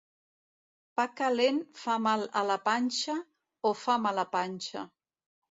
Pa calent fa mal a la panxa o fa mala panxa.